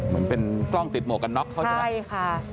มันเป็นกล้องติดหมวกกันน็อคใช่ไหมครับใช่ค่ะ